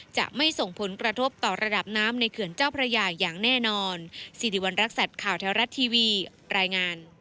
จะไม่ส่งผลกระทบต่อระดับน้ำในเขื่อนเจ้าพระยาอย่างแน่นอน